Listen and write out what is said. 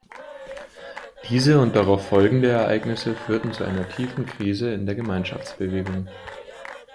Diese und darauf folgende Ereignisse führten zu einer tiefen Krise in der Gemeinschaftsbewegung.